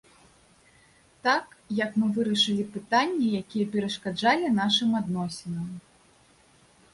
Так, як мы вырашылі пытанні, якія перашкаджалі нашым адносінам.